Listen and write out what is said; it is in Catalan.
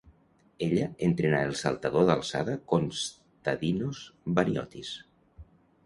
Ella entrena al saltador d'alçada Konstadinos Baniotis.